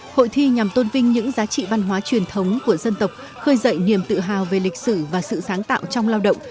hội thi nhằm tôn vinh những giá trị văn hóa truyền thống của dân tộc khơi dậy niềm tự hào về lịch sử và sự sáng tạo trong lao động